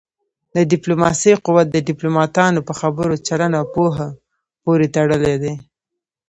د ډيپلوماسی قوت د ډيپلوماټانو په خبرو، چلند او پوهه پورې تړلی دی.